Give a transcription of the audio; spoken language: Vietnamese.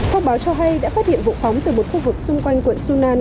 thông báo cho hay đã phát hiện vụ phóng từ một khu vực xung quanh quận sunan